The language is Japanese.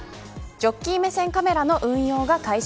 ジョッキー目線カメラの運用が開始。